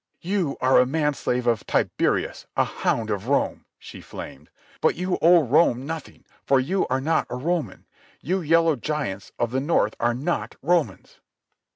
"You are a man slave of Tiberius, a hound of Rome," she flamed, "but you owe Rome nothing, for you are not a Roman. You yellow giants of the north are not Romans."